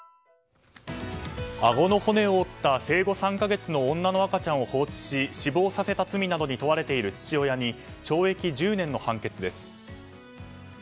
あごの骨を折った生後３か月の女の赤ちゃんを放置し、死亡させた罪などに問われている父親に懲役１０年の判決です。